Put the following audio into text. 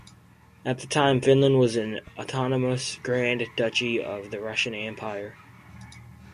At the time, Finland was an autonomous grand duchy of the Russian Empire.